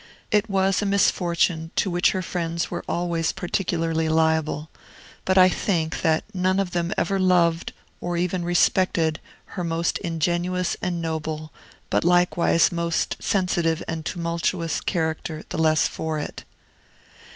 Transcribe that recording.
It was a misfortune to which her friends were always particularly liable; but I think that none of them ever loved, or even respected, her most ingenuous and noble, but likewise most sensitive and tumultuous, character the less for it.